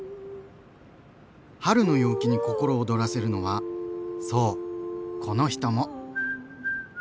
春の陽気に心躍らせるのはそうこの人も。